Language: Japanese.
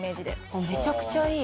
あっめちゃくちゃいい。